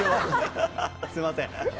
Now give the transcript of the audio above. すみません。